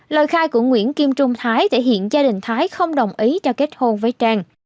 lời khai của nguyễn kim trung thái thể hiện gia đình thái không đồng ý cho kết hôn với trang